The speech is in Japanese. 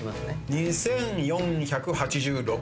２，４８６。